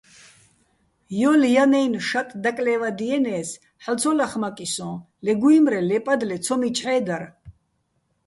ჲოლ ჲანაჲნო̆ შატ დაკლე́ვადიენე́ს, ჰ̦ალო̆ ცო ლახმაკი სოჼ, ლე გუჲმრე, ლე პადლე - ცომიჩე́ დარ.